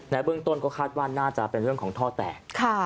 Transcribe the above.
เบื้องต้นก็คาดว่าน่าจะเป็นเรื่องของท่อแตก